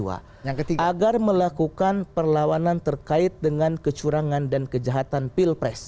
agar melakukan perlawanan terkait dengan kecurangan dan kejahatan pilpres